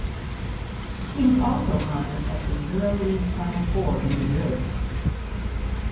He was also honored at the EuroLeague Final Four in Madrid.